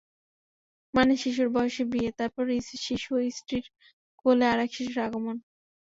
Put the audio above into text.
মানে শিশু বয়সে বিয়ে, তারপর শিশু স্ত্রীর কোলে আরেক শিশুর আগমন।